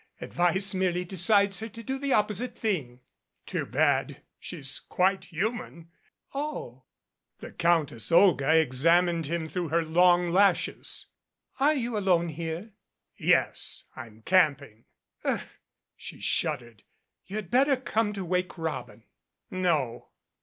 Advice merely decides her to do the opposite thing." "It's too bad. She's quite human." "Oh." The Countess Olga examined him through her long lashes. "Are you alone here?" "Yes. I'm camping." "Ugh," she shuddered. "You had better come to 'Wake Robin'." "No."